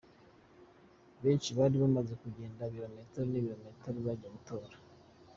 Benshi bari bamaze kugenda ibirometero n'ibirometero bajya gutora.